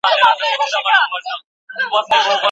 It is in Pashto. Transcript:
هغه وخت چې پوهاوی وي، ګډون معنا پیدا کوي.